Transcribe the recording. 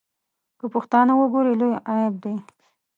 که پښتانه وګوري لوی عیب دی.